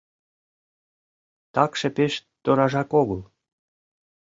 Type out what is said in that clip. Такше пеш торажак огыл...